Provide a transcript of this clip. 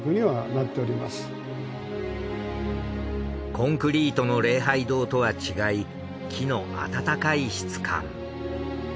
コンクリートの「礼拝堂」とは違い木の温かい質感。